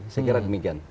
saya kira demikian